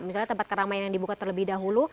misalnya tempat keramaian yang dibuka terlebih dahulu